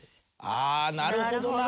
ああなるほどな。